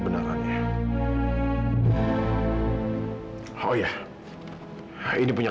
terima kasih banyak